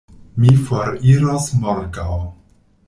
Mi foriros morgaŭ.